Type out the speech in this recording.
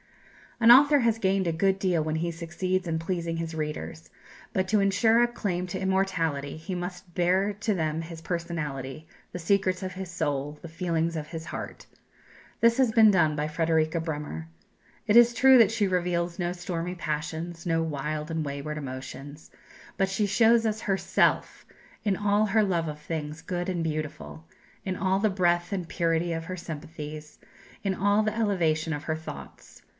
An author has gained a good deal when he succeeds in pleasing his readers; but to ensure a claim to immortality he must bare to them his personality, the secrets of his soul, the feelings of his heart. This has been done by Frederika Bremer. It is true that she reveals no stormy passions, no wild and wayward emotions; but she shows us herself, in all her love of things good and beautiful, in all the breadth and purity of her sympathies, in all the elevation of her thoughts.